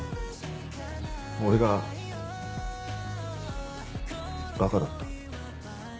俺がバカだった。